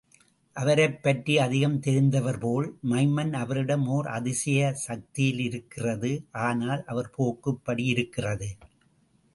அவரைப்பற்றி அதிகம் தெரிந்தவர் போல், மைமன் அவரிடம் ஓர் அதிசய சக்தியிருக்கிறது ஆனால், அவர் போக்கு இப்படி யிருக்கிறது.